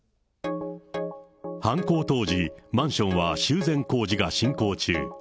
犯行当時、マンションは修繕工事が進行中。